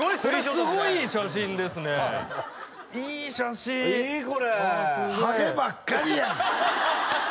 これすごい写真ですねいい写真いいこれハゲばっかりやん！